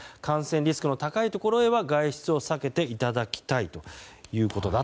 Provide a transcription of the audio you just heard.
感染リスクの高いところへは外出を避けていただきたいと。